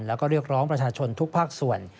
แล้วก็เรียกร้องประชาชนทุกภาคส่วน